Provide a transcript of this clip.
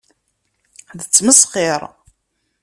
D ttmesxiṛ!